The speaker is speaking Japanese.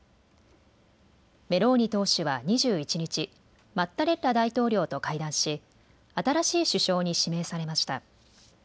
メローニ党首は２１日、マッタレッラ大統領と会談し新しい首相に指名されました。